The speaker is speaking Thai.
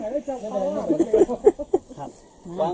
เริ่มใหม่ต้องเริ่มใหม่